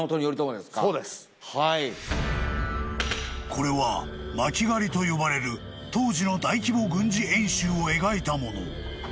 ［これは巻狩りと呼ばれる当時の大規模軍事演習を描いたもの］